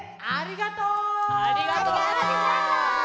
ありがとう！